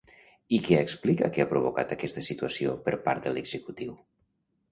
I què explica que ha provocat aquesta situació per part de l'executiu?